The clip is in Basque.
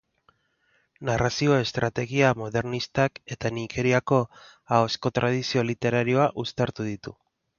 Narrazio-estrategia modernistak eta Nigeriako ahozko tradizio literarioa uztartu ditu.